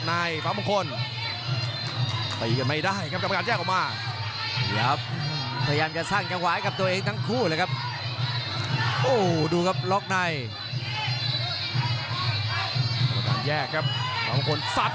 อาจไม่ครบยกเขาเล่นกันหนักแรงแบบนี้ครับ